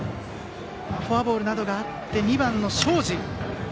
フォアボールなどがあって２番の東海林。